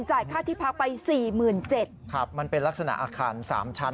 ค่าที่พักไปสี่หมื่นเจ็ดครับมันเป็นลักษณะอาคารสามชั้น